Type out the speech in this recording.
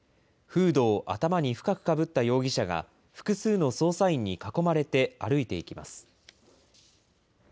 フードを頭に深くかぶった容疑者が、複数の捜査員に囲まれて歩いていきます。